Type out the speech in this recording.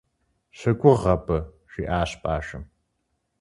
- Щыгугъ абы! - жиӏащ бажэм.